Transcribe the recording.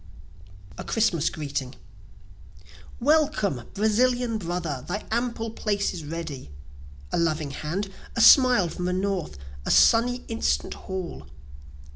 A Christmas Greeting Welcome, Brazilian brother thy ample place is ready; A loving hand a smile from the north a sunny instant hall!